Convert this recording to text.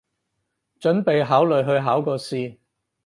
準備考慮去考個試